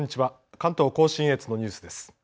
関東甲信越のニュースです。